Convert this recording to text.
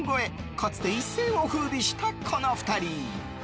かつて一世を風靡したこの２人。